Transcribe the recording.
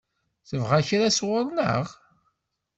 Tebɣa kra sɣur-neɣ?